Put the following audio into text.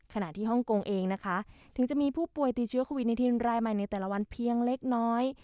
ขณะที่ฮ่องกงเองนะคะถึงจะมีผู้ป่วยติดเชื้อโควิดในทีนรายใหม่ในแต่ละวันเพียงเล็กน้อย